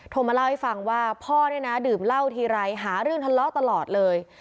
มาเล่าให้ฟังว่าพ่อเนี่ยนะดื่มเหล้าทีไรหาเรื่องทะเลาะตลอดเลย